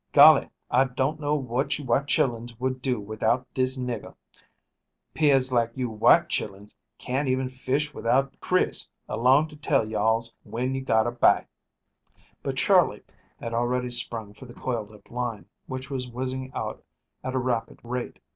"Golly! I don't know what you white chillens would do widout dis nigger. 'Pears like you white chillens can't even fish widout Chris along to tell you alls when you got a bite." But Charley had already sprung for the coiled up line, which was whizzing out at a rapid rate.